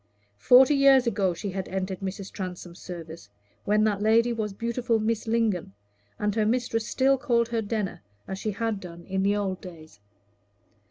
Forty years ago she had entered Mrs. Transome's service, when that lady was beautiful Miss Lingon, and her mistress still called her Denner, as she had done in the old days.